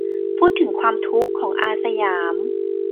พูดถึงความทุกข์ของ "อาสยาม"